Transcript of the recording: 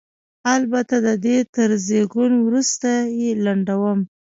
البته د دې تر زېږون وروسته یې لنډوم.